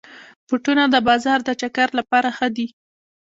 بوټونه د بازار د چکر لپاره ښه دي.